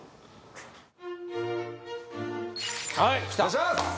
はいお願いします！